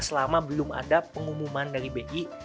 selama belum ada pengumuman dari bi